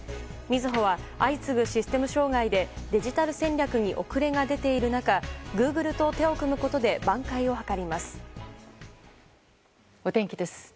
みずほは相次ぐシステム障害でデジタル戦略に遅れが出ている中グーグルと手を組むことで挽回を図ります。